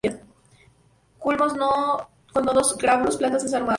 Culmos con nodos glabros. Plantas desarmadas.